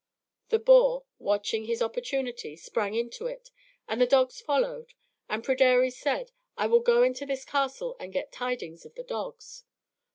The boar, watching his opportunity, sprang into it, and the dogs followed, and Pryderi said, "I will go into this castle and get tidings of the dogs."